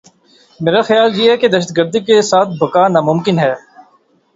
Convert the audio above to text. میرا خیال یہ ہے کہ دہشت گردی کے ساتھ بقا ناممکن ہے۔